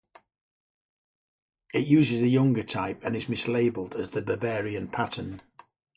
It uses the younger type and is mislabelled as the Bavarian pattern.